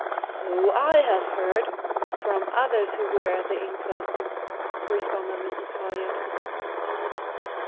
"So I have heard from others who were at the inquest," responded Mrs. Folliot.